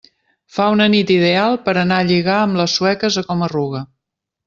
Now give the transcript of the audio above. Fa una nit ideal per anar a lligar amb les sueques a Coma-ruga.